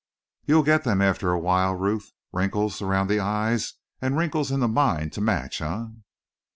You'll get them after a while, Ruth. Wrinkles around the eyes and wrinkles in the mind to match, eh?"